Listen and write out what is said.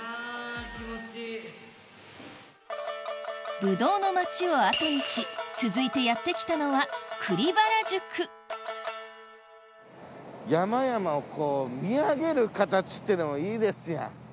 ブドウの町を後にし続いてやって来たのは栗原宿山々をこう見上げる形っていうのもいいですやん。